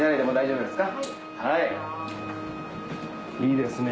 いいですね